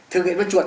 thử nghiệm với chuột